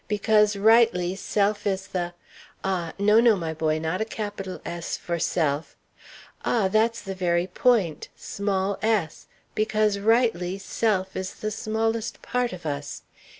'because rightly self is the' Ah! no, no, my boy; not a capital S for 'self' ah! that's the very point, small s, 'because rightly self is the smallest part of us.